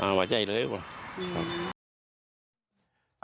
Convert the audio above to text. สามารถใจเลยครับอ่าอืม